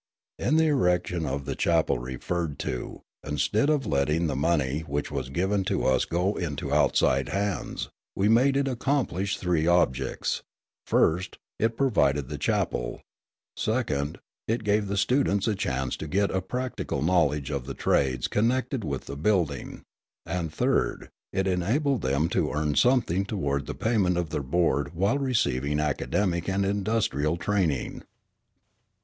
In the erection of the chapel referred to, instead of letting the money which was given to us go into outside hands, we made it accomplish three objects: first, it provided the chapel; second, it gave the students a chance to get a practical knowledge of the trades connected with the building; and, third, it enabled them to earn something toward the payment of their board while receiving academic and industrial training.